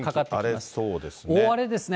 大荒れですね。